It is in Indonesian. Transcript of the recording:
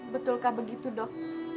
betulkah begitu dok